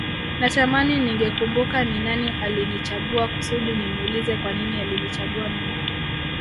Natamani ningekumbuka ni nani alinichagua kusudi nimuulize kwa nini alinichagua mimi